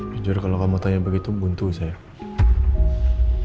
sejujurnya kalau kamu tanya begitu buntu sayang